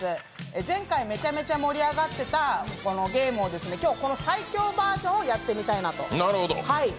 前回、めちゃめちゃ盛り上がっていたゲームを今日、最強バージョンをやってみたいなと。